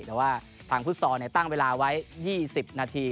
แต่ว่าทางฟุตซอลตั้งเวลาไว้๒๐นาที